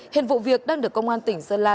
hiện vụ việc đang được công an tỉnh sơn la